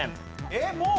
えっもう？